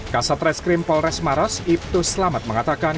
kasat reskrim polres maros ibtus selamat mengatakan